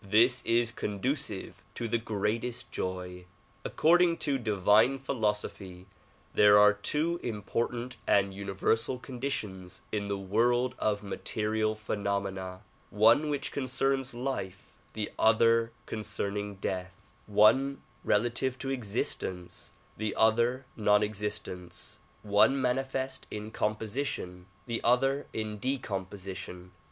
This is conducive to the greatest joy. According to divine philosophy, there are two important and universal conditions in the world of material phenomena ; one which concerns life, the other concerning death ; one relative to 84 THE PROMULGATION OF UNIVERSAL PEACE existence, the other non existence; one manifest in composition, the other in decomposition.